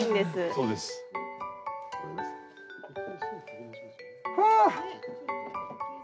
そうです。はあ！